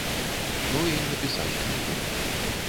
Ну, і напісаць кнігу.